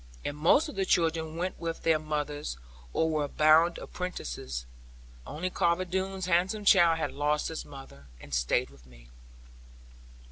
And most of the children went with their mothers, or were bound apprentices; only Carver Doone's handsome child had lost his mother and stayed with me.